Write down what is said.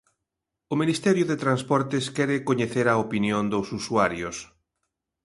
O Ministerio de Transportes quere coñecer a opinión dos usuarios.